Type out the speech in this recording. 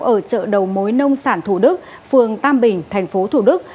ở chợ đầu mối nông sản thủ đức phường tam bình thành phố thủ đức